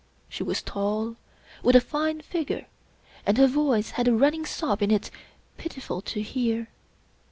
She was tall, with a fine figure, and her voice had a running sob in it pitiful to hear.